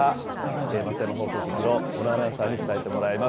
松山放送局の小野アナウンサーに伝えてもらいます。